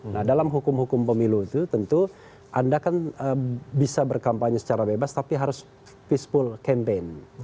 nah dalam hukum hukum pemilu itu tentu anda kan bisa berkampanye secara bebas tapi harus peaceful campaign